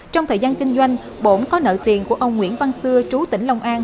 trong thời gian kinh doanh bổn có nợ tiền của ông nguyễn văn xưa trú tỉnh long an